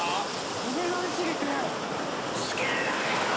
褒められすぎて好きになるやろ！